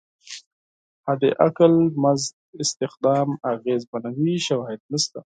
حداقل مزد استخدام اغېزمنوي شواهد نشته.